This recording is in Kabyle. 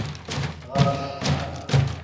Ɣer ccna.